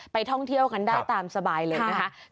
ท่องเที่ยวกันได้ตามสบายเลยนะคะ